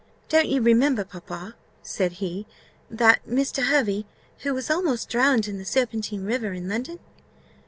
"Don't you remember, papa," said he, "that Mr. Hervey, who was almost drowned in the Serpentine river in London?"